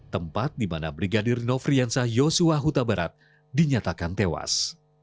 tempat di mana brigadir nofriyan syahuta barat dinyatakan tewas